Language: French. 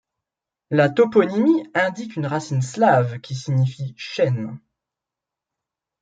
La toponymie indique une racine slave qui signifie chêne.